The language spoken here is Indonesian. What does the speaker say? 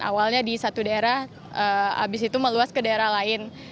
awalnya di satu daerah habis itu meluas ke daerah lain